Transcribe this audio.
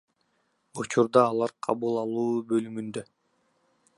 Учурда алар кабыл алуу бөлүмүндө.